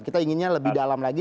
kita inginnya lebih dalam lagi